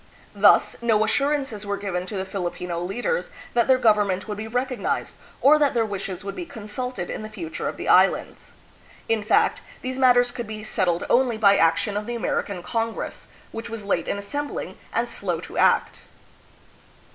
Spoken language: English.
Thus, no assurances were given to the Filipino leaders that their government would be recognized, or that their wishes would be consulted in the future of the Islands. In fact, these matters could be settled only 296 THE PHILIPPINES. by action of the American Congress, which was late in assembling and slow to act.